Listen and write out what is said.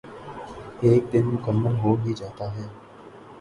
ایک دن مکمل ہو ہی جاتا یے